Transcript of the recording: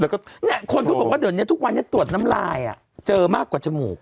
แล้วก็เนี่ยคนเขาบอกว่าเดี๋ยวนี้ทุกวันนี้ตรวจน้ำลายเจอมากกว่าจมูก